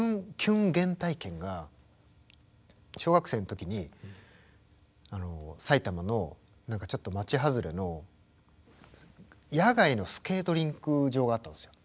小学生の時に埼玉のちょっと町外れの野外のスケートリンク場があったんですよ。